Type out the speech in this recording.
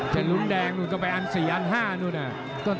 ใช่จะลุ้นแดงลุ้นไปอัน๔อัน๕นู้นน่ะ